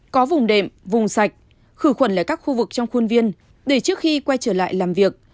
có vùng đệm vùng sạch khử khuẩn lại các khu vực trong khuôn viên để trước khi quay trở lại làm việc